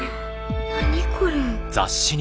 何これ。